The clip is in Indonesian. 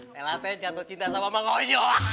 laila teh jatuh cinta sama ma ojo